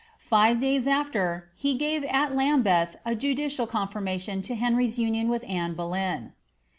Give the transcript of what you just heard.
Five days after, he gave at Lambeth a judicial confirm ation to Henry's union with Anne Boleyn."